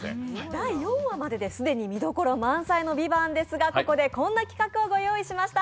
第４話までで、見どころ満載の「ＶＩＶＡＮＴ」ですが、こんな企画をご用意しました。